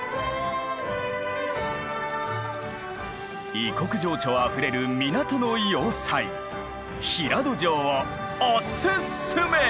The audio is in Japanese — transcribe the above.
異国情緒あふれる港の要塞平戸城をおススメ！